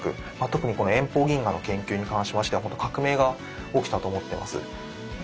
特にこの遠方銀河の研究に関しましてはほんと革命が起きたと思ってます。